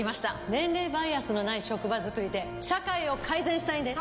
年齢バイアスのない職場づくりで社会を改善したいんです。